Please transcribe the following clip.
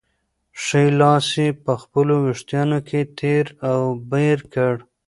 ښی لاس یې په خپلو وېښتانو کې تېر او بېر کړ.